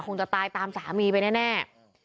คงจะตายตามสามีไปแน่